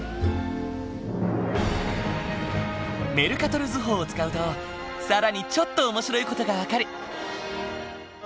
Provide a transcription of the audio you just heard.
メルカトル図法を使うと更にちょっと面白い事が分かる。